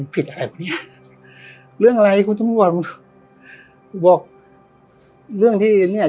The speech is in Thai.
ผิดอะไรพวกเนี้ยเรื่องอะไรคุณตำรวจบอกเรื่องที่เนี้ย